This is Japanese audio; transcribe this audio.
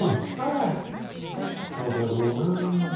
あ鎌倉殿もな